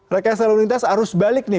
rekesal unitas arus balik nih